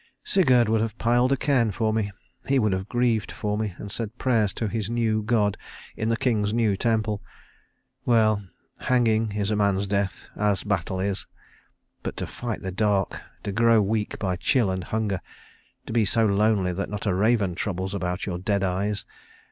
"Sigurd would have piled a cairn for me. He would have grieved for me, and said prayers to his new God in the king's new temple. Well, hanging is a man's death, as battle is. But to fight the dark, to grow weak by chill and hunger, to be so lonely that not a raven troubles about your dead eyes!